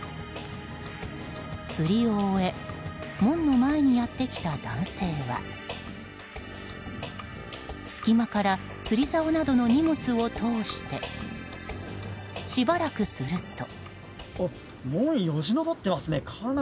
釣りを終え門の前にやってきた男性は隙間から釣りざおなどの荷物を通してしばらくすると。